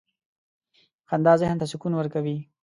• خندا ذهن ته سکون ورکوي.